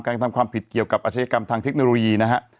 กระทำความผิดเกี่ยวกับอาชญากรรมทางเทคโนโลยีนะฮะ